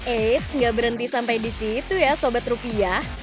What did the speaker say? eits nggak berhenti sampai di situ ya sobat rupiah